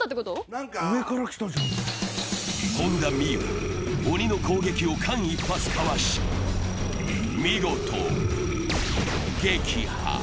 本田望結、鬼の攻撃を間一髪かわし、見事撃破！